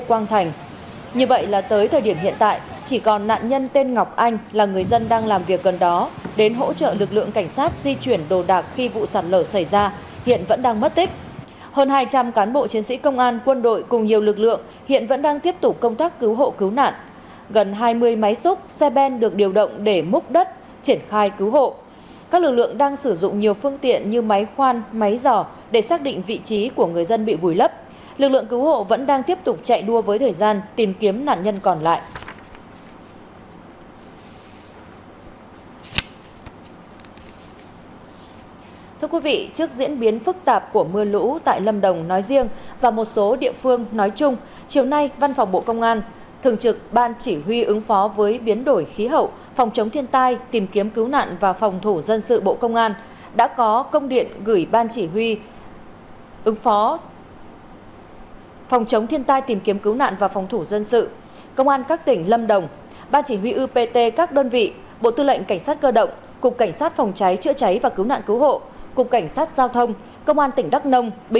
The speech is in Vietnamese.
công an các tỉnh lâm đồng ban chỉ huy upt các đơn vị bộ tư lệnh cảnh sát cơ động cục cảnh sát phòng cháy chữa cháy và cứu nạn cứu hộ cục cảnh sát giao thông công an tỉnh đắk nông bình phước đồng nai và bình thuận